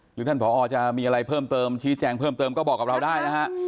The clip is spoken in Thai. หรือท่านผอจะมีอะไรเพิ่มเติมชี้แจงเพิ่มเติมก็บอกกับเราได้นะฮะ